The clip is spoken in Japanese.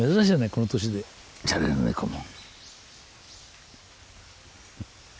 この年でじゃれる猫も。